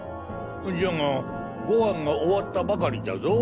じゃが５話が終わったばかりじゃぞ？